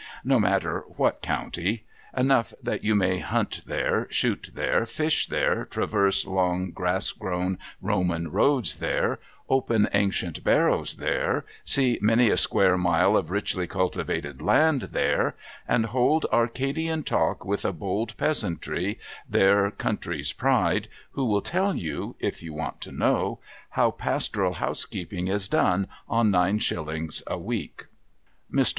No matter what county. Enough that you may hunt there, shoot there, fish there, traverse long grass grown Roman roads there, open ancient barrows there, see many a square mile of richly cultivated land there, and hold Arcadian talk with a bold peasantry, their country's pride, who will tell you (if you want to know) how pastoral housekeeping is done on nine shillings a week. Mr.